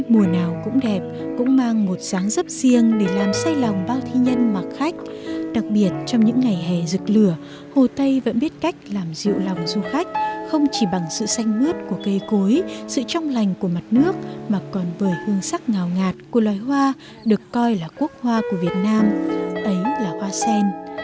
màu ngạt của loài hoa được coi là quốc hoa của việt nam ấy là hoa sen